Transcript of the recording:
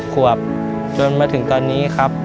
ขวบจนมาถึงตอนนี้ครับ